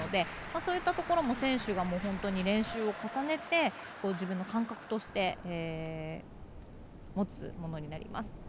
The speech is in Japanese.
そういったところも選手が練習を重ねて自分の感覚として持つものになります。